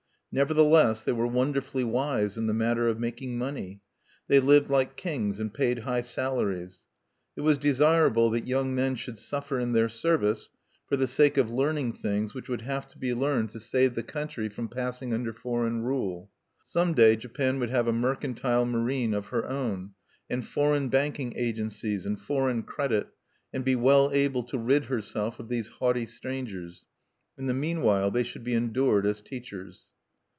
Nevertheless they were wonderfully wise in the matter of making money; they lived like kings and paid high salaries. It was desirable that young men should suffer in their service for the sake of learning things which would have to be learned to save the country from passing under foreign rule. Some day Japan would have a mercantile marine of her own, and foreign banking agencies, and foreign credit, and be well able to rid herself of these haughty strangers: in the meanwhile they should be endured as teachers.